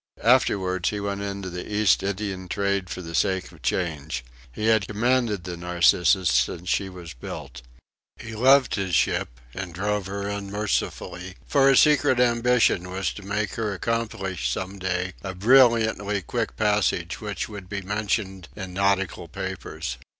Afterwards he went into the East Indian trade for the sake of change. He had commanded the Narcissus since she was built. He loved his ship, and drove her unmercifully; for his secret ambition was to make her accomplish some day a brilliantly quick passage which would be mentioned in nautical papers.